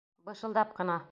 Бышылдап ҡына: